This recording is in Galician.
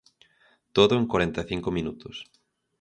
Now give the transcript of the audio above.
Todo en corenta e cinco minutos.